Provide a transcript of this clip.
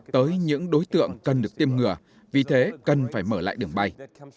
tới những đối tượng cần được tiêm ngừa vì thế cần phải mở lại đường bay